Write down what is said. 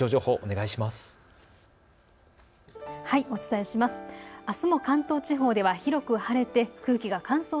お伝えします。